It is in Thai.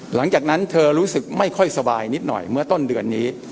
หลังจากนั้นเธอรู้สึกไม่ค่อยสบายนิดหน่อยเมื่อต้นเดือนนี้